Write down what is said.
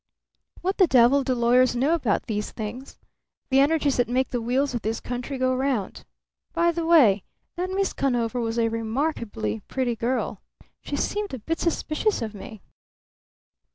What the devil do lawyers know about these things the energies that make the wheels of this country go round? By the way, that Miss Conover was a remarkably pretty girl. She seemed to be a bit suspicious of me."